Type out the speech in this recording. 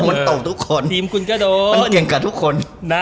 มันเก่งกับทุกคน